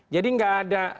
jadi nggak ada